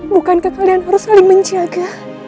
bukankah kalian harus saling menjaga